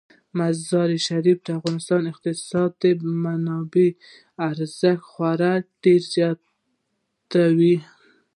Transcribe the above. مزارشریف د افغانستان د اقتصادي منابعو ارزښت خورا ډیر زیاتوي.